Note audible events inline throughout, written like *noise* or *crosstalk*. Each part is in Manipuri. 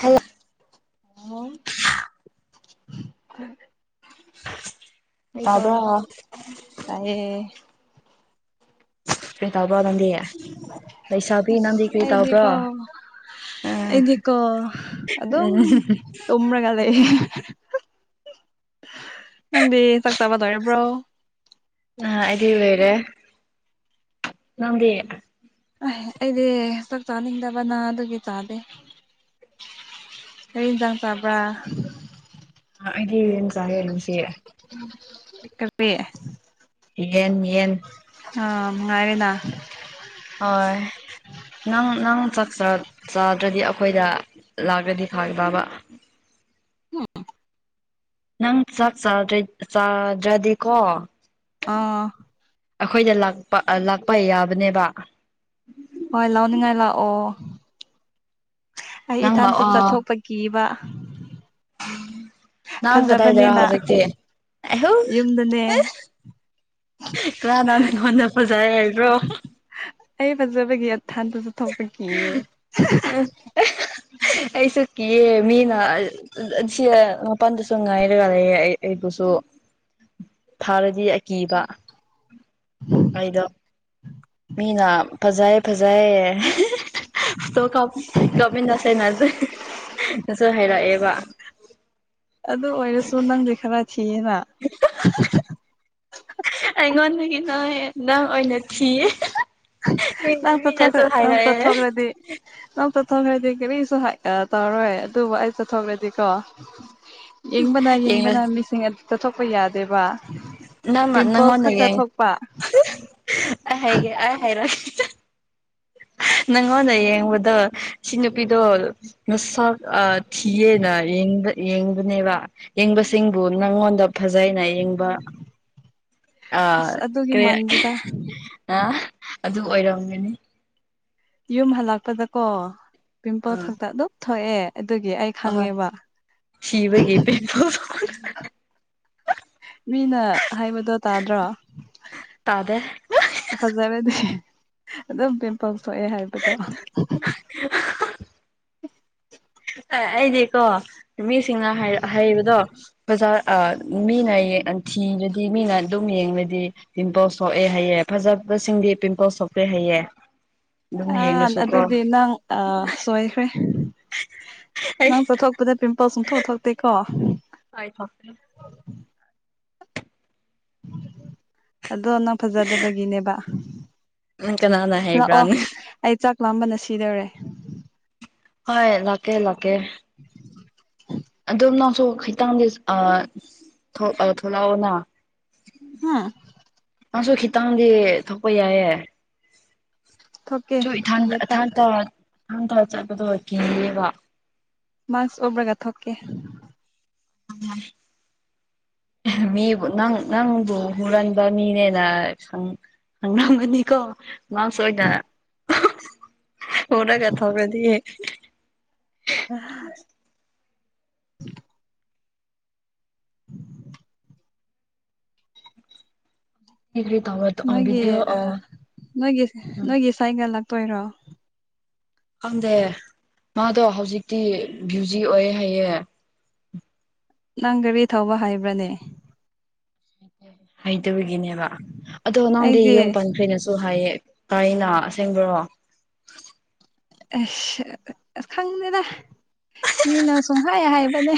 ꯍꯂꯣ ꯑ ꯑꯩ ꯇ ꯇꯥꯕ꯭ꯔꯣ ꯇꯥꯏꯌꯦ ꯀꯔꯤ ꯇꯧꯕ꯭ꯔꯣ ꯅꯪꯗꯤ ꯂꯩꯁꯥꯕꯤ ꯅꯪꯗꯤ ꯑꯁ ꯀꯔꯤ ꯇꯧꯕ꯭ꯔꯣ ꯑꯩꯗꯤꯀꯣ ꯑꯥ ꯑꯩꯗꯤꯀꯣ ꯑꯗꯨꯝ ꯎꯝ ꯇꯨꯝꯔꯒ ꯂꯩꯌꯦ ꯅꯪꯗꯤ ꯆꯥꯛ ꯆꯥꯕꯂꯣꯏꯔꯕ꯭ꯔꯣ ꯑ ꯑꯩꯗꯤ ꯂꯣꯏꯔꯦ ꯅꯪꯗꯤ ꯑꯍ ꯑꯩꯗꯤ ꯆꯥꯛ ꯆꯥꯅꯤꯡꯗꯕ ꯑꯗꯨꯒꯤ ꯆꯥꯗꯦ ꯀꯩ ꯌꯦꯟꯁꯥꯡ ꯆꯥꯕ꯭ꯔꯥ ꯑꯩꯗꯤ ꯑꯦꯟ ꯆꯥꯏ ꯉꯁꯤ ꯀꯔꯤ ꯌꯦꯟ ꯌꯦꯟ ꯑꯥ ꯉꯥꯏꯔꯦꯅ ꯍꯣꯏ ꯅꯪ ꯅꯪ ꯆꯥꯛ ꯆꯥꯗ꯭ꯔꯗꯤ ꯑꯩꯈꯣꯏꯗ ꯂꯥꯛꯑꯗꯤ ꯐꯥꯒꯗꯕ ꯎꯝ ꯅꯪ ꯆꯥꯛ ꯆꯥꯗ꯭ꯔꯦ ꯆꯥꯗ꯭ꯔꯗꯤꯀꯣ ꯑꯥ ꯑꯩꯈꯣꯏꯗ ꯂꯥꯛꯄ ꯂꯥꯛꯄ ꯌꯥꯕꯅꯦꯕ ꯍꯣꯏ ꯂꯧꯅꯤꯡꯉꯥꯏ ꯂꯥꯛꯑꯣ ꯑꯩ ꯅꯪ ꯏꯊꯟꯇ ꯂꯥꯛꯑꯣ ꯆꯠꯊꯣꯛꯄ ꯀꯤꯕ ꯅꯥꯡ ꯀꯗꯥꯏ ꯗꯔ ꯐꯖꯕꯅꯦꯅ ꯍꯧꯖꯤꯛꯇꯤ ꯑꯩꯍꯨ ꯌꯨꯝꯗꯅꯦ ꯑꯁ ꯂꯥꯟꯅ *unintelligible* ꯑꯩ ꯐꯖꯕꯒꯤ ꯑꯊꯟꯗꯁꯨ ꯊꯣꯛꯄ ꯀꯤꯌꯦ ꯑꯩꯁꯨ ꯀꯤꯑꯦ ꯃꯤꯅ ꯁꯤ ꯃꯄꯜꯗꯁꯨ ꯉꯥꯏꯔꯒ ꯂꯩꯌꯦ ꯑꯩ ꯀꯁꯨ *inaudible* ꯊꯥꯔꯗꯤ ꯑꯩ ꯑꯀꯤꯕ ꯑꯩꯗꯣ ꯃꯤꯅ ꯐꯖꯩ ꯐꯖꯩ ꯍꯦꯍꯦꯍꯦ ꯇꯣꯀ ꯀꯞꯃꯤꯅꯁꯦ ꯉꯁꯤ ꯁꯨ ꯍꯥꯏꯔꯛꯑꯦꯕ ꯑꯗꯨ ꯑꯣꯏꯔꯁꯨ ꯅꯪꯗꯤ ꯈꯔ ꯊꯤꯑꯦꯅ ꯑꯩꯉꯣꯟꯗꯒꯤ ꯅꯣꯏ ꯅꯪ ꯑꯣꯏꯅ ꯊꯤꯌꯦ ꯍꯥꯍꯥꯍꯥ ꯅꯪ ꯄꯊ꯭ꯔ ꯅꯪ ꯄꯊꯣꯒ꯭ꯔꯗꯤ ꯅꯪꯁꯨ ꯆꯠꯊꯣꯛꯈ꯭ꯔꯗꯤ ꯀꯔꯤꯁꯨ ꯇꯧꯔꯣꯏ ꯑꯗꯨꯕꯨ ꯑꯩ ꯆꯠꯊꯣꯛꯈ꯭ꯔꯗꯤ ꯀꯣ ꯌꯦꯡꯕꯅ ꯌꯦꯡꯅ ꯌꯦꯡꯕꯅ ꯃꯤꯁꯤꯡ ꯇꯠꯊꯣꯛꯄ ꯌꯥꯗꯦꯕ ꯅꯪꯅ ꯄꯤꯝꯄꯜꯁ ꯅꯪꯉꯣꯟꯗ ꯈꯛꯇ ꯌꯦꯡ ꯊꯣꯛꯄ ꯑꯩ ꯍꯥꯏꯒꯦ ꯑꯩ ꯍꯥꯏꯔꯒꯦ ꯅꯪꯉꯣꯟꯗ ꯌꯦꯡꯕꯗꯣ ꯁꯤ ꯅꯨꯄꯤꯗꯣ ꯃꯁꯛ ꯊꯤꯌꯦꯅ ꯌꯦꯡꯕꯅꯦꯕ ꯌꯦꯡꯕꯁꯤꯡꯕꯨ ꯅꯪꯉꯣꯟꯗ ꯐꯖꯩꯅ ꯌꯦꯡꯕ ꯑꯥ ꯑꯁ ꯑꯗꯨꯒꯤ ꯃꯟꯗꯨꯗ ꯑꯥ ꯑꯗꯨ ꯑꯣꯏꯔꯝꯒꯅꯤ ꯌꯨꯝ ꯍꯜꯂꯛꯄꯗꯀꯣ ꯄꯤꯝꯄꯜ ꯑꯥ ꯊꯛꯇ ꯑꯗꯨꯝ ꯊꯣꯛꯑꯦ ꯑꯗꯨꯒꯤ ꯑꯩ ꯑꯍꯣꯏ ꯈꯪꯉꯦꯕ ꯁꯤꯕꯒꯤ ꯍꯤꯍꯤ ꯄꯤꯝꯄꯜ ꯃꯤꯅ ꯍꯥꯏꯕꯗꯣ ꯇꯥꯗ꯭ꯔꯣ ꯇꯥꯗꯦ ꯐꯖꯔꯗꯤ ꯑꯗꯨꯝ ꯄꯤꯝꯄꯜ ꯊꯣꯛꯑꯦ ꯍꯥꯏꯕꯗꯣ *unintelligible* ꯑꯦ ꯑꯩꯗꯤꯀꯣ ꯃꯤꯁꯤꯡꯅ ꯍꯥꯏꯕꯗꯣ ꯕꯖꯥꯔ ꯑꯥ ꯃꯤꯅ ꯌꯦꯡ ꯊꯤꯔꯗꯤ ꯃꯤꯅ ꯑꯗꯨꯝ ꯌꯦꯡꯕꯗꯤ ꯄꯤꯝꯄꯜꯁ ꯊꯣꯛꯑꯦ ꯍꯥꯏꯌꯦ ꯐꯖꯕꯁꯤꯡꯗꯤ ꯄꯤꯝꯄꯜꯁ ꯊꯣꯛꯇꯦ ꯍꯥꯏꯌꯦ ꯑꯗꯨꯝ ꯑꯥ ꯌꯦꯡꯂꯁꯨ ꯀꯣ ꯑꯗꯨꯗꯤ ꯅꯪ ꯑꯥ ꯁꯣꯏꯈ꯭ꯔꯦ ꯑꯩ ꯅꯪ ꯆꯠꯊꯣꯛꯄꯗ ꯄꯤꯝꯄꯜ ꯁꯨꯡꯊꯣꯛ ꯊꯣꯛꯇꯦꯀꯣ ꯑꯥꯏ ꯊꯣꯛꯇꯦ ꯑꯗꯣ ꯅꯪ ꯐꯖꯗꯕꯒꯤꯅꯦꯕ ꯅꯪ ꯀꯅꯥꯅ ꯍꯂꯥꯛꯑꯣ ꯍꯩꯕ꯭ꯔꯥꯅꯦ ꯑꯩ ꯆꯥꯛ ꯂꯥꯝꯕꯅ ꯁꯤꯗꯧꯔꯦ ꯍꯣꯏ ꯂꯥꯛꯀꯦ ꯂꯥꯛꯀꯦ *inaudible* ꯆꯣ ꯈꯤꯇꯪꯗꯤ ꯊꯣꯛꯂꯛꯑꯣꯅ ꯍꯨꯝ ꯃꯥꯁꯨ ꯈꯤꯇꯪꯗꯤ ꯊꯣꯛꯄ ꯌꯥꯏꯌꯦ ꯊꯣꯛꯀꯦ ꯑꯩꯁꯨ ꯏꯊ ꯒꯦꯠꯇ ꯏꯊꯥꯡꯊ ꯊꯊꯥꯡꯊꯥ ꯆꯠꯄꯗꯣ ꯀꯤꯑꯦꯕ ꯃꯥꯛꯁ ꯑꯨꯞꯕ꯭ꯔꯥꯒ ꯊꯣꯛꯀꯦ ꯑꯥ ꯃꯤꯕꯨ ꯅꯪ ꯅꯪꯕꯨ ꯍꯨꯔꯥꯟꯕ ꯃꯤꯅꯦꯅ ꯁꯨꯝ ꯈꯡꯉꯝ ꯃꯅꯤꯀꯣ ꯃꯥꯥꯛꯁ ꯑꯣꯏꯅ *inaudible* ꯑꯣꯔꯒ ꯊꯣꯛꯔꯗꯤ ꯎꯝ ꯍꯥ ꯀꯔꯤ ꯀꯔꯤ ꯇꯧꯔ ꯑ ꯅꯣꯏꯒꯤ ꯚꯤꯗꯤꯑꯣ ꯑ ꯑꯥ ꯅꯣꯏꯒꯤ ꯎꯝ ꯅꯣꯏꯒꯤ ꯁꯥꯏꯒ ꯂꯥꯛꯇꯣꯏꯔꯣ ꯈꯪꯗꯦ ꯃꯥꯗꯣ ꯍꯧꯖꯤꯛꯇꯤ ꯕ꯭ꯌꯨꯖꯤ ꯑꯣꯏꯌꯦ ꯍꯥꯏꯌꯦ ꯅꯪ ꯒꯔꯤ ꯊꯧꯕ ꯍꯩꯕ꯭ꯔꯅꯦ ꯍꯩꯇꯕꯒꯤꯅꯦꯕ ꯑꯗꯣ ꯅꯪꯗꯤ ꯑꯩꯗꯤ ꯌꯨꯝ ꯄꯥꯟꯈ꯭ꯔꯦꯅꯁꯨ ꯍꯥꯏꯌꯦ ꯀꯩꯅꯣ ꯑꯁꯦꯡꯕ꯭ꯔꯣ ꯑꯁ ꯈꯪꯗꯦꯗ ꯃꯤꯅ ꯁꯨꯡꯍꯥꯏ ꯍꯥꯏꯕꯅꯦ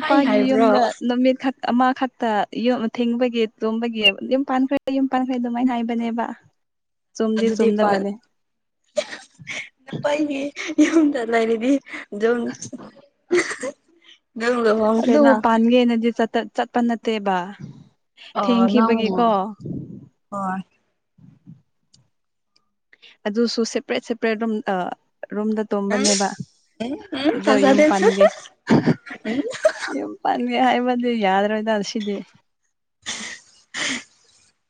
ꯍꯥꯏ ꯍꯥꯏꯕ꯭ꯔꯣ ꯌꯨꯝꯗ ꯅꯨꯃꯤꯠ ꯈꯛ ꯑꯃ ꯈꯛꯇ ꯌꯨꯨꯝ ꯊꯤꯡꯕꯒꯤ ꯇꯨꯝꯕꯒꯤ ꯌꯨꯝ ꯄꯥꯟꯈ꯭ꯔꯦ ꯌꯨꯝ ꯄꯥꯟꯈ꯭ꯔꯦ ꯑꯗꯨꯃꯥꯏꯅ ꯍꯥꯏꯕꯅꯦꯕ ꯆꯨꯝꯗꯤ ꯑꯗꯨꯗꯤ ꯄꯥꯠ ꯆꯨꯝꯗꯕꯅꯦ ꯄꯥꯏꯅꯦ ꯌꯨꯝꯗ ꯂꯩꯔꯗꯤ ꯑꯗꯨꯝ ꯑꯗꯨꯝ ꯑꯗꯨꯕꯨ ꯂꯨꯍꯣꯡꯈ꯭ꯔꯦꯅ ꯄꯥꯟꯒꯦꯅꯗꯤ ꯆꯠꯇ ꯆꯠꯄ ꯅꯠꯇꯦꯕ ꯑ ꯅꯪꯕꯨ ꯊꯦꯡꯈꯤꯕꯒꯤꯀꯣ ꯍꯣꯏ ꯑꯗꯨꯁꯨ ꯁꯦꯄꯔꯦꯠ ꯁꯦꯄꯔꯦꯠ ꯔꯨꯝꯇ ꯔꯨꯝꯗ ꯎꯝ ꯇꯨꯝꯕꯅꯦꯕ ꯎꯝ ꯑꯗꯣ ꯌꯨꯝ ꯊꯥꯖꯗꯦ ꯄꯥꯟꯒꯦ ꯍꯪ ꯍꯪ ꯌꯨꯝ ꯄꯥꯟ ꯒꯦ ꯍꯥꯏꯕꯗꯤ ꯌꯥꯔꯣꯏꯗ ꯁꯤꯗꯤ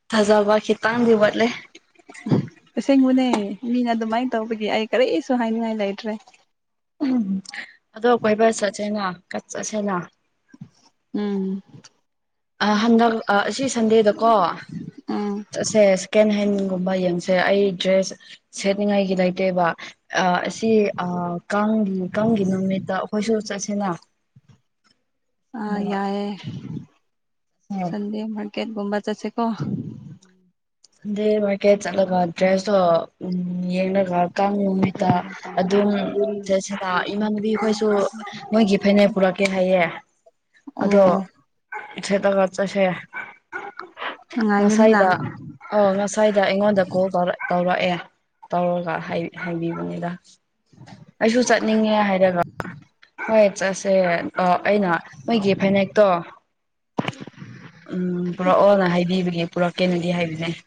ꯊꯖꯥꯕ ꯈꯤꯇꯪꯗꯤ ꯋꯥꯠꯂꯦ ꯑꯁꯦꯡꯕꯅꯦ ꯃꯤꯅ ꯑꯗꯨꯃꯥꯏꯅ ꯇꯧꯕꯒꯤ ꯑꯩ ꯀꯔꯤꯁꯨ ꯍꯥꯏꯅꯤꯡꯉꯥꯏ ꯂꯩꯇ꯭ꯔꯦ ꯎꯝꯍꯝ ꯑꯗꯣ ꯑꯩꯈꯣꯏ ꯕꯁ ꯆꯠꯁꯦꯅ ꯀꯠ ꯆꯠꯁꯦꯅ ꯎꯝ ꯑꯥ ꯍꯟꯗꯛ ꯑꯁꯤ ꯁꯟꯗꯦꯗꯀꯣ ꯎꯝ ꯆꯠꯁꯦ ꯁꯦꯀꯦꯟ ꯍꯦꯟ ꯒꯨꯝꯕ ꯌꯦꯡꯁꯦ ꯑꯩ ꯗ꯭ꯔꯦꯁ ꯁꯦꯠꯅꯤꯡꯉꯥꯏꯒꯤ ꯂꯩꯇꯦꯕ ꯑꯥ ꯑꯁꯤ ꯑꯥ ꯀꯥꯡ ꯀꯥꯡꯒꯤ ꯅꯨꯃꯤꯠꯇ ꯑꯩꯈꯣꯏꯁꯨ ꯆꯠꯁꯤꯅ ꯑꯥꯥ ꯌꯥꯏꯑꯦ ꯁꯟꯗꯦ ꯃꯟ ꯀꯦꯠꯒꯨꯝꯕ ꯆꯠꯁꯦꯀꯣ ꯁꯟꯗꯦ ꯃꯥꯔꯀꯦꯠ ꯆꯠꯂꯒ ꯗ꯭ꯔꯦꯁꯇꯣ ꯌꯦꯡꯉꯒ ꯀꯥꯡ ꯅꯨꯃꯤꯠꯇ ꯑꯗꯨꯝ ꯆꯠꯁꯤꯅ ꯏꯃꯥꯟꯅꯕꯤꯈꯣꯏꯁꯨ ꯃꯣꯏꯒꯤ ꯐꯅꯦꯛ ꯄꯨꯔꯛꯀꯦ ꯍꯥꯏꯌꯦ ꯑꯣ ꯁꯦꯠꯂꯒ ꯆꯠꯁꯦ ꯅꯨꯡꯉꯥꯏꯒꯅꯤꯅ ꯉꯁꯥꯏꯗ ꯑꯧ ꯉꯁꯥꯏꯗ ꯑꯩꯉꯣꯟꯗ ꯀꯣꯜ ꯇꯧꯔꯛ ꯇꯧꯔꯛꯑꯦ ꯇꯧꯔꯒꯟ ꯍꯥꯏ ꯍꯥꯏꯕꯤꯕꯅꯦ ꯑꯥ ꯑꯩꯁꯨ ꯆꯠꯅꯤꯡꯉꯦ ꯍꯥꯏꯔꯒ ꯍꯣꯏ ꯆꯠꯁꯦ ꯑꯥ ꯑꯩꯅ ꯃꯣꯏꯒꯤ ꯐꯅꯦꯛꯇꯣ ꯎꯝ ꯄꯨꯔꯛꯑꯣꯅ ꯍꯥꯏꯕꯤꯕꯒꯤ ꯄꯨꯔꯛꯀꯦꯅꯦꯗꯤ ꯍꯥꯏꯕꯤꯕꯅꯦ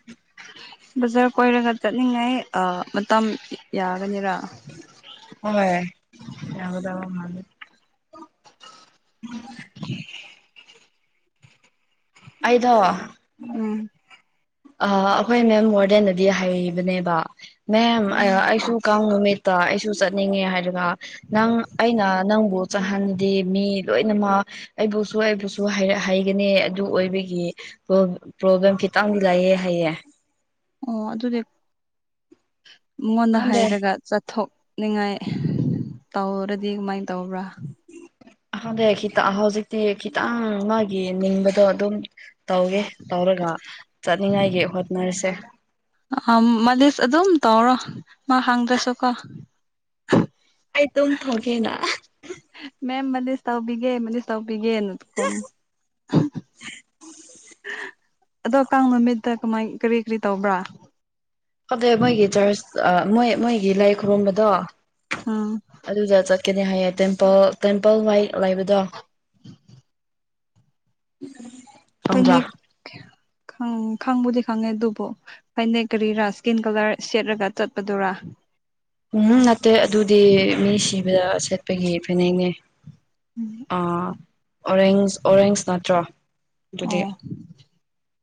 ꯕꯖꯥꯔ ꯀꯣꯏꯔꯒ ꯆꯠꯅꯤꯡꯉꯥꯏ ꯑꯥ ꯃꯇꯝ ꯌꯥ ꯍꯣꯏ ꯌꯥꯒꯗꯕ ꯃꯥꯟꯂꯦ *inaudible* ꯑꯩꯗꯣ ꯎꯝ ꯑꯥ ꯑꯩꯈꯣꯏ ꯃꯦꯝ ꯋꯥꯔꯗꯦꯟꯅꯗꯤ ꯍꯥꯏꯕꯅꯦꯕ ꯃꯦꯝ ꯑꯥ ꯑꯩꯁꯨ ꯀꯥꯡ ꯅꯨꯃꯤꯠꯇ ꯑꯩꯁꯨ ꯆꯠꯅꯤꯡꯉꯦ ꯍꯥꯏ ꯉꯥ ꯅꯪ ꯑꯩꯅ ꯅꯪꯕꯨ ꯆꯠꯍꯟꯗꯦ ꯃꯤ ꯂꯣꯏꯅꯃꯛ ꯑꯩꯕꯨꯁꯨ ꯑꯩꯕꯨꯁꯨ ꯍꯥꯏꯔꯛ ꯍꯥꯏꯒꯅꯤ ꯑꯗꯨ ꯑꯣꯏꯕꯒꯤ ꯄ꯭ꯂꯣ ꯄ꯭ꯔꯣꯕ꯭ꯂꯦꯝ ꯈꯤꯇꯪ ꯂꯩꯑꯦ ꯍꯥꯏꯌꯦ ꯑꯣ ꯑꯗꯨꯗꯤ ꯃꯉꯣꯟꯗ ꯈꯪꯗꯦ ꯍꯥꯏꯔꯒ ꯆꯠꯊꯣꯛ ꯅꯤꯡꯉꯥꯏ ꯇꯧꯔꯗꯤ ꯀꯃꯥꯏꯅ ꯇꯧꯕ꯭ꯔꯥ ꯈꯪꯗꯦ ꯈꯤꯠꯇ ꯍꯧꯖꯤꯛꯇꯤ ꯈꯤꯠ ꯈꯤꯇꯪ ꯃꯥꯒꯤ ꯅꯤꯡꯕꯗꯣ ꯑꯗꯨꯝ ꯇꯧꯋꯦ ꯇꯧꯔꯒ ꯆꯠꯅꯤꯡꯉꯥꯏꯒꯤ ꯍꯣꯠꯅꯔꯁꯦ ꯑꯥ ꯃꯥꯂꯤꯁ ꯑꯗꯨꯝ ꯇꯧꯔꯣ ꯃꯥ ꯍꯪꯗ꯭ꯔꯁꯨꯀꯣ ꯑꯩ ꯑꯗꯨꯝ ꯊꯣꯛꯀꯦꯅ ꯃꯦꯝ ꯃꯥꯂꯤꯁ ꯇꯧꯕꯤꯒꯦ ꯃꯂꯤꯁ ꯇꯧꯕꯤꯒꯦ ꯅꯀꯣ ꯍꯝ ꯑꯗꯣ ꯀꯥꯡ ꯅꯨꯃꯤꯠꯇ ꯀꯃꯥꯏ ꯀꯔꯤ ꯀꯔꯤ ꯇꯧꯕ꯭ꯔꯥ ꯑꯗꯣ ꯃꯣꯏꯒꯤ ꯆꯔꯁ ꯃꯣꯏ ꯃꯣꯏꯒꯤ ꯂꯥꯏ ꯈꯨꯔꯨꯝꯕꯗꯣ ꯎꯝ ꯑꯗꯨꯗ ꯆꯠ ꯀꯔꯤ ꯍꯥꯏꯌꯦ ꯇꯦꯝꯄꯜ ꯇꯦꯝꯄꯜ ꯋꯥꯏ ꯂꯩꯕꯗꯣ ꯎꯝ ꯀꯩꯩꯅ ꯈꯪ ꯈꯪꯕꯨꯗꯤ ꯈꯪꯉꯦ ꯑꯗꯨꯕꯨ ꯍꯥꯏꯅ ꯀꯔꯤꯔꯥ ꯏꯁꯀꯤꯟ ꯀꯂꯔ ꯁꯦꯠꯂꯒ ꯆꯠꯄꯗꯨꯔꯥ ꯎꯝ ꯅꯠꯇꯦ ꯑꯗꯨꯗꯤ ꯃꯤ ꯁꯤꯕꯗ ꯁꯦꯠꯄꯒꯤ ꯐꯅꯦꯛꯅꯦ ꯑꯣꯔꯦꯟꯖ ꯑꯣꯔꯦꯟꯖ ꯅꯠꯇ꯭ꯔꯣ ꯑꯗꯨꯗꯤ ꯑꯣ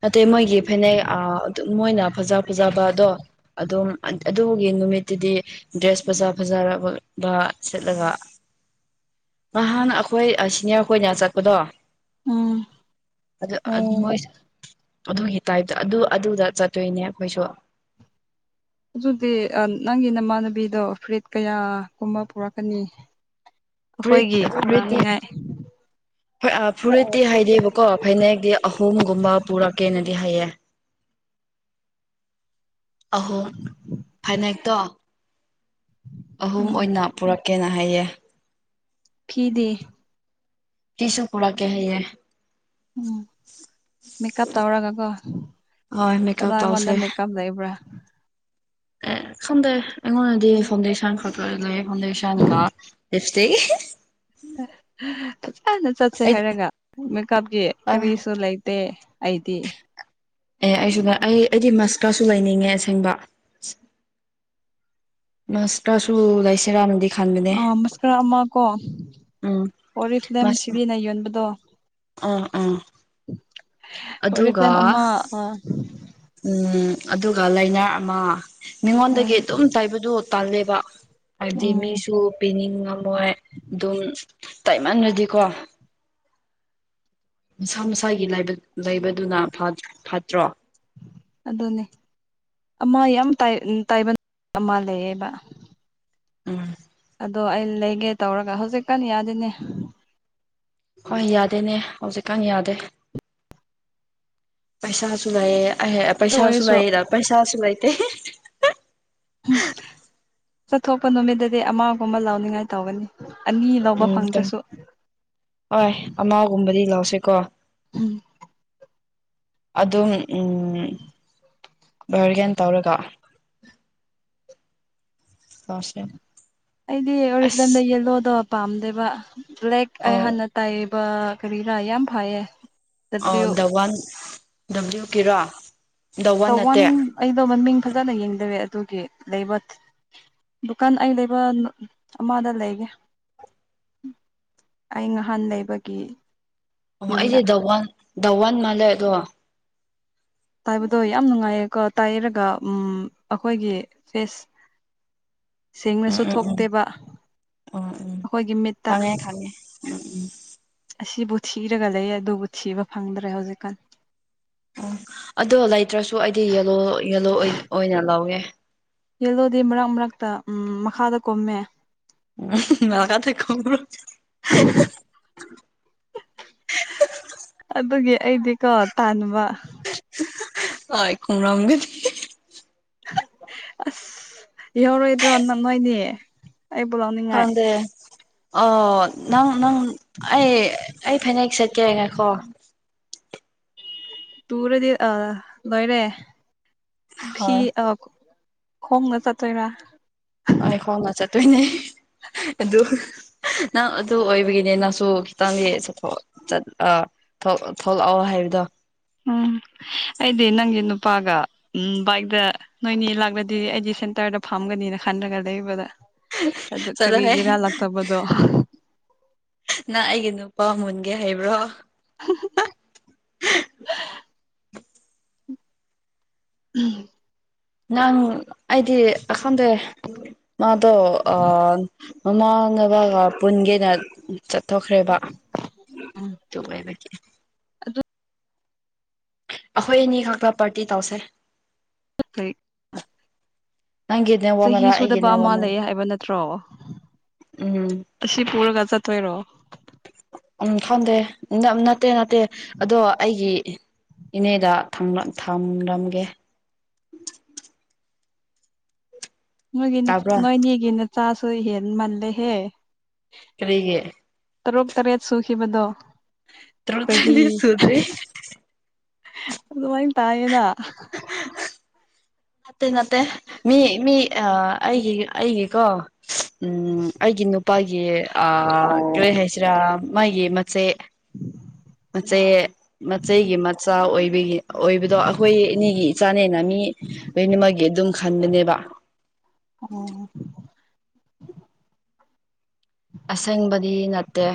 ꯅꯇꯦ ꯃꯣꯏꯒꯤ ꯐꯅꯦꯛ ꯑꯥ ꯃꯣꯏꯅ ꯐꯖ ꯐꯖꯕ ꯑꯗꯣ ꯑꯗꯨꯝ ꯑꯗꯨꯒꯤ ꯅꯨꯃꯤꯠꯇꯨꯗꯤ ꯗ꯭ꯔꯦꯁ ꯐꯖꯥ ꯐꯖꯥꯕ ꯁꯦꯠꯂꯒ *inaudible* ꯅꯍꯥꯟ ꯑꯩꯈꯣꯏ ꯁꯤꯅꯤꯌꯥꯔ ꯈꯣꯏꯅ ꯆꯠꯄꯗꯣ ꯎꯝ ꯑꯗꯨ ꯑꯥ ꯑꯣ ꯃꯣꯏꯁ ꯑꯗꯨꯒꯤ ꯇꯥꯏꯞꯇ ꯑꯗꯨ ꯑꯗꯨꯗ ꯆꯠꯇꯣꯏꯅꯦ ꯑꯈꯣꯏꯁꯨ ꯑꯗꯨꯗꯤ ꯅꯪꯒꯤ ꯅꯃꯥꯟꯅꯕꯤꯗꯣ ꯐꯨꯔꯤꯠ ꯀꯌꯥꯒꯨꯝꯕ ꯄꯨꯔꯛꯀꯅꯤ *inaudible* ꯐꯨꯔꯤꯠ ꯑꯩꯈꯣꯏꯒꯤ ꯐꯔꯤꯠꯇꯤ ꯄꯨꯔꯛꯅꯤꯡꯉꯥꯏ ꯍꯣꯏ ꯑꯥ ꯐꯨꯔꯤꯠꯇꯤ ꯍꯥꯏꯗꯦꯕꯀꯣ ꯐꯅꯦꯛꯇꯤ ꯑꯍꯨꯝꯒꯨꯝꯕ ꯄꯨꯔꯛꯀꯦꯅ ꯍꯥꯏꯌꯦ ꯑꯍꯣ ꯐꯅꯦꯛꯇꯣ ꯑꯍꯨꯝ ꯎꯝ ꯑꯣꯏꯅ ꯄꯨꯔꯛꯀꯦꯅ ꯍꯥꯏꯌꯦ ꯐꯤꯗꯤ ꯇꯤꯁꯁꯨ ꯀꯔꯛꯀꯦ ꯍꯥꯢꯌꯦ ꯎꯝ ꯃꯦꯀꯞ ꯇꯧꯔꯒ ꯀꯣ ꯍꯣꯏ ꯑꯗꯣ ꯃꯦꯀꯞ ꯑꯩꯉꯣꯟꯗ ꯇꯧꯁꯦ ꯃꯦꯀꯞ ꯂꯩꯕ꯭ꯔꯣ ꯑꯦ ꯈꯪꯗꯦ ꯑꯩꯉꯣꯟꯗꯗꯤ ꯐꯥꯎꯟꯗꯦꯁꯟ ꯈꯛꯇ ꯂꯩ ꯐꯥꯎꯟꯗꯦꯁꯟꯒ ꯂꯤꯞ꯭ꯁꯇꯤꯛ ꯍꯤꯍꯤ ꯎ *inaudible* ꯐꯖꯅ ꯆꯠꯁꯦ ꯑꯩ ꯍꯥꯏꯔꯒ ꯃꯦꯀꯞꯀꯤ ꯑꯦ ꯀꯔꯤꯁꯨ ꯂꯩꯇꯦ ꯑꯩꯗꯤ *inaudible* ꯑꯦ ꯑꯩꯁꯨ ꯑꯩ ꯑꯩꯗꯤ ꯃꯁꯀꯔꯁꯨ ꯂꯩꯅꯤꯡꯉꯦ ꯑꯁꯦꯡꯕ ꯃꯁꯀꯔꯁꯨ ꯂꯩꯁꯤꯔꯥꯅꯗꯤ ꯈꯟꯕꯅꯦ ꯑ ꯃꯁꯀꯔꯥ ꯑꯃ ꯀꯣ ꯎꯝ ꯑꯣꯔꯤꯐ꯭ꯂꯦꯝ ꯃꯁ ꯁꯤꯕꯤꯅ ꯌꯣꯟꯕꯗꯣ ꯑꯥ ꯑꯥ ꯑꯗꯨꯒ ꯑꯣꯔꯤꯐ꯭ꯂꯦꯝ ꯑꯃ ꯑꯥ ꯎꯝ ꯑꯗꯨꯒ ꯂꯥꯏꯅꯥ ꯑꯃ ꯃꯤꯉꯣꯟꯗꯒꯤ ꯎꯝ ꯑꯗꯨꯝ ꯇꯥꯏꯕꯗꯨ ꯇꯜꯂꯦꯕ ꯍꯥꯏꯕꯗꯤ ꯎꯝ ꯃꯤꯁꯨ ꯄꯤꯅꯤꯡ ꯉꯝꯃꯣꯏ ꯑꯗꯨꯝ ꯇꯥꯏꯃꯟꯔꯗꯤꯀꯣ ꯃꯁꯥ ꯃꯁꯥꯒꯤ ꯂꯥꯏꯕꯛ ꯂꯩꯕꯗꯨꯅ ꯐꯠꯇ꯭ꯔꯣ ꯑꯗꯨꯅꯦ ꯑꯃ ꯌꯥꯝ ꯇꯥꯢ ꯇꯥꯏꯕꯟ ꯑꯃ ꯂꯩꯌꯦꯕ ꯎꯝ ꯑꯗꯣ ꯑꯩ ꯂꯩꯒꯦ ꯇꯧꯔꯒ ꯍꯧꯖꯤꯛ ꯀꯟ ꯌꯥꯗꯦꯅꯦ ꯍꯣꯏ ꯌꯥꯗꯦꯅꯦ ꯍꯧꯖꯤꯛꯀꯥꯟ ꯌꯥꯗꯦ ꯄꯩꯁꯥꯁꯨ ꯂꯩꯌꯦ ꯑꯍꯦ ꯑꯗꯨ ꯄꯩꯁꯥꯁꯨ ꯑꯣꯏꯔꯁꯨ ꯂꯩꯔ ꯄꯩꯁꯥꯁꯨ ꯂꯩꯥꯇꯦ ꯍꯥꯍꯥꯍꯥ ꯆꯠꯊꯣꯛꯄ ꯅꯨꯃꯤꯠꯇꯗꯤ ꯑꯃꯒꯨꯝꯕ ꯂꯥꯎꯅꯤꯡꯉꯥꯏ ꯇꯧꯒꯅꯤ ꯑꯅꯤ ꯂꯧꯕ ꯎꯝ ꯊꯦꯡ ꯐꯪꯗ꯭ꯔꯁꯨ ꯍꯣꯏ ꯑꯃꯥꯒꯨꯝꯕꯗꯤ ꯂꯧꯁꯤꯀꯣ ꯎꯝ ꯑꯗꯨꯝ ꯎꯝ ꯚꯔꯒꯦꯟ ꯇꯧꯔꯒ ꯂꯧꯁꯦ ꯑꯩꯗꯤ ꯑꯣꯔꯤꯐ꯭ꯂꯦꯝꯗ ꯑꯁ ꯌꯦꯜꯂꯣꯗꯣ ꯄꯥꯝꯗꯦꯕ ꯂꯥꯏꯛ ꯑꯩ ꯑꯣ ꯍꯥꯟꯅ ꯇꯥꯏꯕ ꯀꯔꯤꯔꯥ ꯌꯥꯝ ꯐꯩꯌꯦ ꯑꯣ ꯗꯕ꯭ꯂꯤꯎ ꯗꯋꯥꯟ ꯗꯕꯂꯤꯋꯨꯒꯤꯔꯣ ꯗ ꯋꯥꯟ ꯑꯩꯗꯣ ꯃꯃꯤꯡ ꯐꯖꯅ ꯌꯦꯡꯗꯔꯦ ꯑꯗꯨꯒꯤ ꯂꯩꯕ ꯗꯨꯀꯥꯟ ꯑꯩ ꯂꯩꯕ ꯑꯃꯗ ꯂꯩꯒꯦ ꯑꯩ ꯉꯍꯥꯟ ꯂꯩꯕꯒꯤ ꯑꯣ ꯌꯨꯝꯗ ꯑꯩꯁꯦ ꯙꯋꯥꯟ ꯗꯥꯋꯥꯟ ꯃꯥꯜꯂꯦ ꯑꯗꯣ ꯇꯥꯏꯕꯗꯣ ꯌꯥꯝ ꯅꯨꯡꯉꯥꯏꯌꯦꯀꯣ ꯇꯥꯏꯔꯒ ꯎꯝ ꯑꯩꯈꯣꯏꯒꯤ ꯐꯦꯁ ꯁꯦꯡꯅꯁꯨ ꯊꯣꯛꯇꯦꯕ ꯑꯩꯈꯣꯏꯒꯤ ꯃꯤꯠꯇ ꯎꯝ ꯎꯝ ꯑꯁꯤꯕꯨ ꯊꯤꯔꯒ ꯂꯩ ꯑꯗꯨꯕꯨ ꯊꯤꯕ ꯐꯪꯗ꯭ꯔꯦ ꯍꯧꯖꯤꯛꯀꯥꯟ ꯎꯝ ꯑꯗꯣ ꯂꯩꯇ꯭ꯔꯁꯨ ꯑꯩꯗꯤ ꯌꯦꯂꯣ ꯌꯦꯂꯣ ꯑꯣꯏꯅ ꯂꯧꯋꯦ ꯌꯦꯜꯂꯣꯗꯤ ꯃꯔꯛ ꯃꯔꯛꯇ ꯎꯝ ꯃꯈꯥꯗ ꯀꯨꯝꯃꯦ *unintelligible* *inaudible* ꯑꯗꯨꯒꯤ ꯑꯩꯗꯤꯀꯣ ꯇꯥꯟꯕ ꯑꯣꯢ ꯈꯨꯝꯔꯝꯒꯅꯤ ꯑꯁ ꯌꯥꯎꯔꯣꯏꯗ꯭ꯔꯣ ꯅꯣꯢꯅꯤ ꯑꯩꯕꯨ ꯂꯧꯅꯤꯡꯉꯥꯏ ꯈꯪꯗꯦ ꯑꯣ ꯅꯪ ꯅꯪ ꯑꯩ ꯑꯩ ꯐꯅꯦꯛ ꯆꯠꯀꯦ ꯉꯥꯏꯈꯣ ꯇꯨꯔꯗꯤ ꯑꯥ ꯂꯣꯏꯔꯦ ꯐꯤ ꯍꯣꯏ ꯑꯥ ꯈꯣꯡꯅ ꯆꯠꯇꯣꯏꯔꯥ ꯍꯣꯢ ꯈꯣꯡꯅ ꯆꯠꯇꯣꯏꯅꯦ ꯑꯗꯨ ꯅꯪ ꯑꯗꯨ ꯑꯣꯏꯕꯒꯤꯅꯦ ꯅꯪꯁꯨ ꯈꯤꯇꯪꯗꯤ ꯆꯠꯊ ꯆꯠ ꯑꯥ ꯊꯣꯛꯂꯛꯑꯣ ꯍꯥꯏꯕꯗꯣ ꯎꯝ ꯑꯩꯗꯤ ꯅꯪꯒꯤ ꯅꯨꯄꯥꯒ ꯎꯝ ꯕꯥꯏꯛꯗ ꯅꯣꯏꯅꯤ ꯂꯥꯛꯂꯗꯤ ꯑꯩꯗꯤ ꯁꯦꯟ ꯇꯔꯗ ꯐꯥꯝꯒꯅꯤꯅ ꯈꯟꯔꯒ ꯂꯩꯕꯗ ꯑꯗꯨ ꯆꯠꯂꯣꯍꯦ ꯀꯔꯤꯒꯤꯔꯥ ꯂꯛꯇꯕꯗꯣ ꯅꯪ ꯑꯩꯒꯤ ꯅꯨꯄꯥ ꯃꯨꯟꯒꯦ ꯍꯥꯏꯕ꯭ꯔꯣ ꯎꯝ ꯅꯪ ꯑꯩꯗꯤ ꯑꯈꯪꯗꯦ ꯃꯥꯗꯣ ꯑꯥ ꯃꯃꯥ ꯟꯕꯒ ꯄꯨꯟꯒꯦꯅ ꯆꯠꯊꯣꯛꯈ꯭ꯔꯦꯕ ꯑꯗꯨ ꯑꯣꯏꯕꯒꯤ ꯑꯩꯈꯣꯏ ꯑꯅꯤ ꯈꯛꯇ ꯄꯥꯔꯇꯤ ꯇꯧꯁꯦ *unintelligible* ꯅꯪꯒꯤ ꯆꯍꯤ ꯅꯦꯠꯋꯥꯛꯅꯔꯥ ꯑꯩꯒꯤ ꯁꯨꯗꯕ ꯑꯃ ꯅꯦꯠꯋꯥꯛꯅꯔ ꯂꯩ ꯍꯥꯏꯕ ꯅꯠꯇ꯭ꯔꯣ ꯎꯝ ꯑꯁꯤ ꯄꯨꯔꯒ ꯆꯠꯇꯣꯏꯔꯣ ꯎꯝ ꯈꯪꯗꯦ ꯅꯠꯇꯦ ꯅꯠꯇꯦ ꯑꯗꯣ ꯑꯩꯒꯤ ꯏꯅꯦꯗ ꯊꯝꯂꯝꯒꯦ *inaudible* ꯅꯣꯏꯒꯤꯅ ꯇꯥꯕ꯭ꯔꯥ ꯅꯣꯏꯅꯤꯒꯤ ꯅꯆꯥꯁꯨ ꯍꯦꯟꯃꯜꯂꯦꯍꯦ ꯀꯔꯤꯒꯤ ꯇꯔꯨꯛ ꯇꯔꯦꯠ ꯁꯨꯈꯤꯕꯗꯣ ꯆꯍꯤ ꯇꯔꯨꯛꯇꯗꯤ ꯁꯨꯗ꯭ꯔꯤ ꯑꯗꯨꯃꯥꯏ ꯇꯥꯏꯌꯦꯅ ꯅꯠꯇꯦ ꯅꯠꯇꯦ ꯃꯤ ꯃꯤ ꯑꯥ ꯑꯩꯒꯤ ꯑꯩꯒꯤꯀꯣ ꯑꯩꯒꯤ ꯅꯨꯄꯥꯒꯤ ꯀꯔꯤ ꯍꯥꯏꯁꯤꯔꯥ ꯃꯥꯒꯤ ꯃꯆꯦ ꯃꯆꯦ ꯃꯆꯦꯒꯤ ꯃꯆꯥ ꯑꯣꯏꯕꯒꯤ ꯑꯣꯏꯕꯗꯣ ꯑꯩꯈꯣꯏ ꯑꯅꯤꯒꯤ ꯏꯆꯥꯅꯦꯅ ꯃꯤ ꯂꯣꯏꯅꯃꯛꯒꯤ ꯑꯗꯨꯝ ꯈꯟꯕꯅꯦꯕ ꯑꯣ ꯑꯁꯪꯕꯗꯤ ꯅꯠꯇꯦ